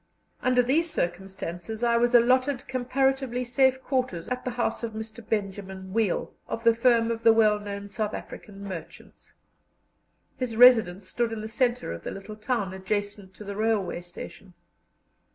Under these circumstances I was allotted comparatively safe quarters at the house of Mr. Benjamin Weil, of the firm of the well known South African merchants. His residence stood in the centre of the little town, adjacent to the railway station.